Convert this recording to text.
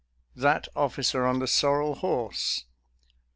"" That officer on the sorrel horse."